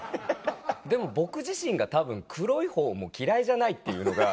でも僕自身がたぶん黒いほうも嫌いじゃないっていうのが。